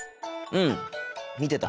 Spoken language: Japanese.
うん見てた。